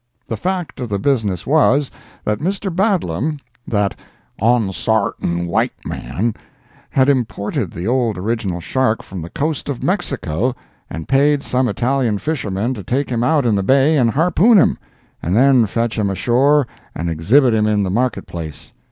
The fact of the business was, that Mr. Badlam, that "onsartain white man," had imported the old original shark from the coast of Mexico, and paid some Italian fishermen to take him out in the Bay and harpoon him, and then fetch him ashore and exhibit him in the market place.